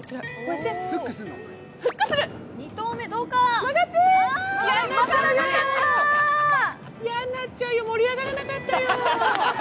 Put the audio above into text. やんなっちゃうよ、盛り上がらなかったよ。